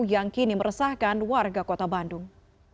yang kini meresahkan warga kota bandung